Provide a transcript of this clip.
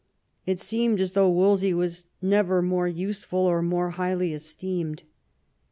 It seemed as though Wolsey were never more useful or more highly esteemed.